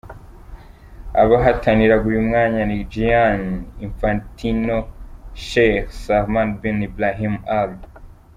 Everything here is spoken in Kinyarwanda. Abahataniraga uyu mwanya ni Gianni Infantino, Sheikh Salman bin Ebrahim Al